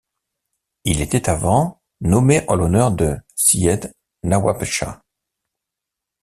Il était avant nommé en l'honneur de Syed Nawabshah.